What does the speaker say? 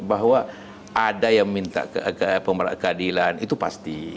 bahwa ada yang minta keadilan itu pasti